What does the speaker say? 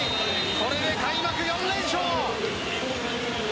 これで開幕４連勝。